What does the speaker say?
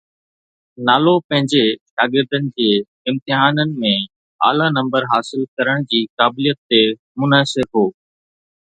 نالو پنهنجي شاگردن جي امتحانن ۾ اعليٰ نمبر حاصل ڪرڻ جي قابليت تي منحصر هو